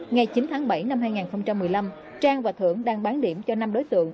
ngày chín tháng bảy năm hai nghìn một mươi năm trang và thưởng đang bán điểm cho năm đối tượng